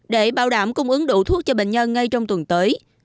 để bảo đảm cung ứng đủ thuốc cho bệnh nhân ngay trong tuần tới